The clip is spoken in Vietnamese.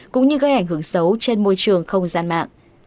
cũng như gây ảnh hưởng xấu trên môi trường không gian mạng